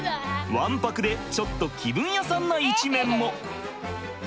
ワンパクでちょっと気分屋さんな一面も。